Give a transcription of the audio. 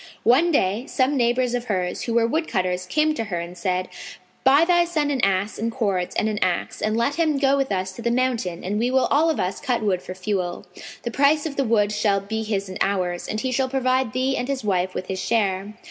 One day, some neighbours of hers, who were woodcutters, came to her and said, "Buy thy son an ass and cords and an axe and let him go with us to the mountain and we will all of us cut wood for fuel. The price of the wood shall be his and ours, and he shall provide thee and his wife with his share."